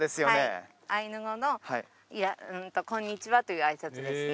はいアイヌ語の「こんにちは」というあいさつですね